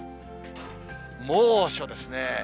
猛暑ですね。